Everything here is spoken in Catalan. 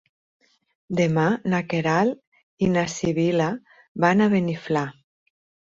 Demà na Queralt i na Sibil·la van a Beniflà.